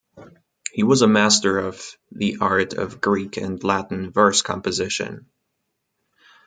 He was a master of the art of Greek and Latin verse composition.